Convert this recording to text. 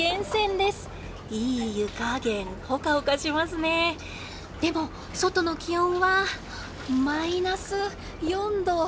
でも、外の気温はマイナス４度。